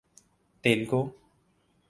Telugu